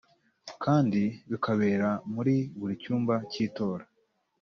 kandi kikabera muri buri cyumba cy,itora